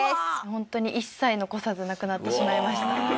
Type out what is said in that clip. ホントに一切残さず亡くなってしまいました。